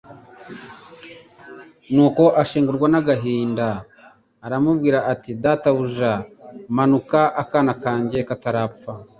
Nuko ashengurwa n'agahinda, aramwinginga ati: "Databuja, manuka, akana kanjye katarapfa."